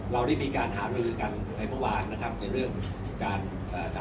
เราได้มีการหามรือกันในเมื่อวานนะครับในเรื่องการเอ่อ